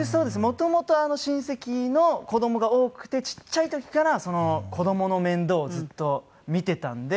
元々親戚の子供が多くてちっちゃい時から子供の面倒をずっと見ていたんで。